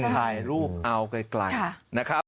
ถ่ายรูปเอาไกลนะครับ